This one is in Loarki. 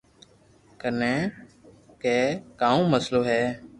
ڪئي ٺا ڪاو مسلو ھي